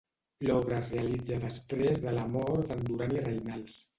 L'obra es realitza després de la mort d'en Duran i Reinals.